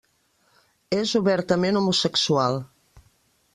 És obertament homosexual.